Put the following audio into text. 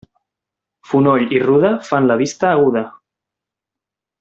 Fonoll i ruda fan la vista aguda.